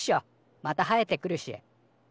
また生えてくるし。